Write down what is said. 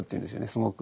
すごく。